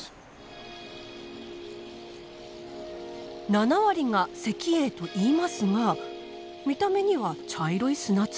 ７割が石英と言いますが見た目には茶色い砂粒。